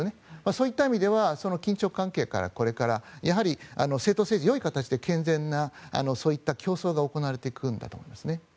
そういった意味では緊張関係から、政党政治よい形で健全な競争が行われていくんだと思います。